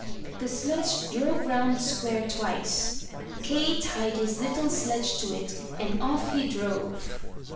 The sledge drove round the square twice. Kay tied his little sledge to it, and off he drove.